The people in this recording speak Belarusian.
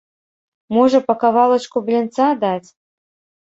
Можа па кавалачку блінца даць?